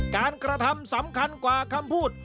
กระทำสำคัญกว่าคำพูด